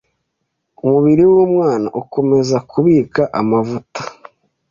Umubiri w’umwana ukomeza kubika amavuta